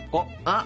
あっ！